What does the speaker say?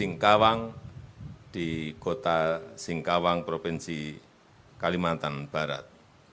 singkawang di kota singkawang provinsi kalimantan barat